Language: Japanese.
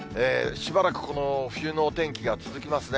しばらくこの冬のお天気が続きますね。